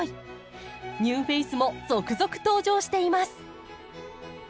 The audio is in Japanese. ニューフェースも続々登場しています。